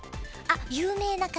有名な方。